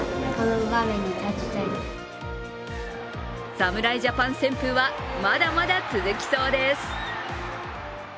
侍ジャパン旋風はまだまだ続きそうです。